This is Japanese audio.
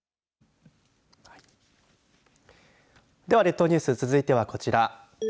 では、列島ニュース続いてはこちら。